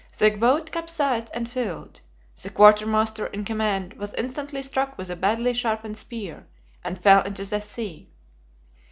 The boat capsized and filled. The quartermaster in command was instantly struck with a badly sharpened spear, and fell into the sea.